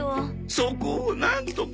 そこをなんとか！